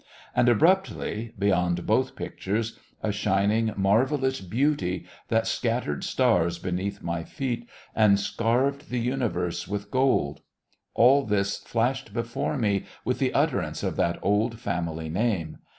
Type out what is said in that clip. And abruptly beyond both pictures a shining, marvellous Beauty that scattered stars beneath my feet and scarved the universe with gold. All this flashed before me with the utterance of that old family name.